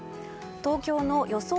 東京の予想